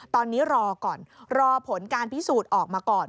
ตอนนี้รอก่อนรอผลการพิสูจน์ออกมาก่อน